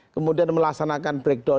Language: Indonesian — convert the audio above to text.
kemudian melaksanakan breakdown